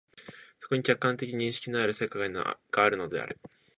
そこに客観的認識の世界があるのである。